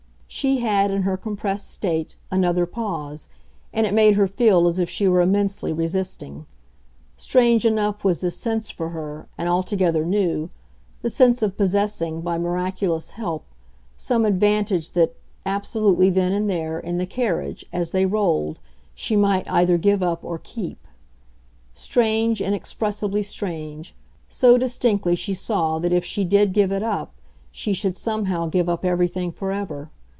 She had, in her compressed state, another pause, and it made her feel as if she were immensely resisting. Strange enough was this sense for her, and altogether new, the sense of possessing, by miraculous help, some advantage that, absolutely then and there, in the carriage, as they rolled, she might either give up or keep. Strange, inexpressibly strange so distinctly she saw that if she did give it up she should somehow give up everything for ever.